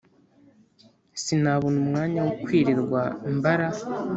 Sinabona umwanya wokwirirwa mbara